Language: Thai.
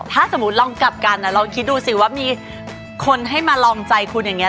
ถ้าสมมุติลองกลับกันลองคิดดูสิว่ามีคนให้มาลองใจคุณอย่างนี้